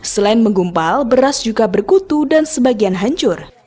selain menggumpal beras juga berkutu dan sebagian hancur